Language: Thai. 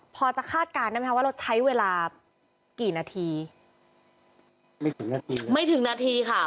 พอจะคาดการณ์ได้ไหมคะว่าเราใช้เวลากี่นาทีไม่ถึงนาทีไม่ถึงนาทีค่ะ